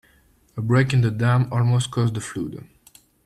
A break in the dam almost caused a flood.